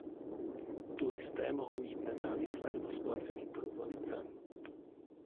Turisté mohou jít nezávisle nebo s placeným průvodcem.